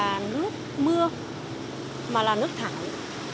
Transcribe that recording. nó không phải là nước mưa mà là nước thải